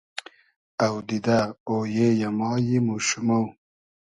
اودیدۂ ، اۉیې یۂ ، مایم و شومۉ